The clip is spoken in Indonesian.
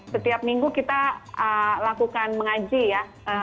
setiap minggu kita lakukan mengaji ya